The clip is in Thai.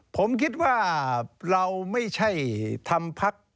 ผมคิดว่าเราไม่ใช่ทำพัก